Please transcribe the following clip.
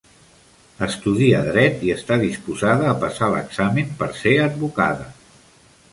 Estudia dret i està disposada a passar l'examen per ser advocada.